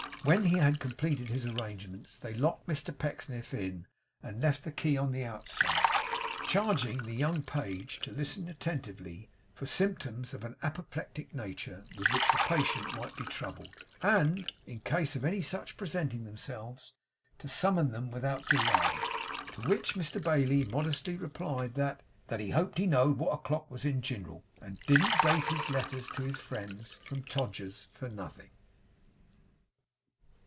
When he had completed his arrangements, they locked Mr Pecksniff in, and left the key on the outside; charging the young page to listen attentively for symptoms of an apoplectic nature, with which the patient might be troubled, and, in case of any such presenting themselves, to summon them without delay. To which Mr Bailey modestly replied that 'he hoped he knowed wot o'clock it wos in gineral, and didn't date his letters to his friends from Todgers's for nothing.